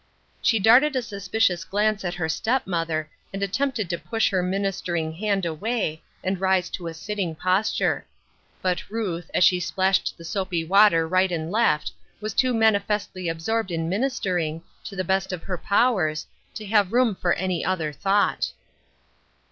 She darted a suspicious glance at her step mother, and attempted to push her ministering hand away, and rise to a sitting posture. But Ruth, as she splashed the soapy water right and left, was too manifestly absorbed in ministering, to the best of her powers, to have room for any other thought.